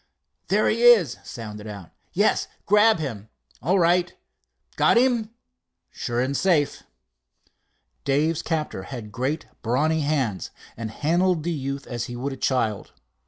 "There he is," sounded out. "Yes, grab him." "All right." "Got him?" "Sure and safe." Dave's captor had great brawny hands and handled the youth as he would a child.